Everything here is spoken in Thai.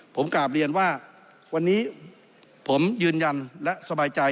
ผมกลับเรียนว่าวันนี้ผมยืนยันและสบายใจ